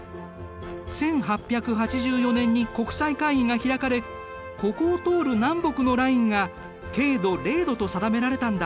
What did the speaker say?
１８８４年に国際会議が開かれここを通る南北のラインが経度０度と定められたんだ。